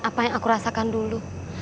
apa yang aku rasakan dulu